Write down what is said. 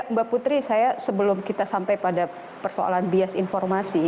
mbak putri saya sebelum kita sampai pada persoalan bias informasi